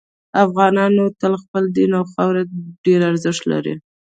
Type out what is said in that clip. افغانانو ته خپل دین او خاوره ډیر ارزښت لري